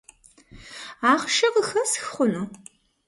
Ахъшэ къыхэсх хъуну?